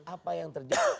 apa yang terjadi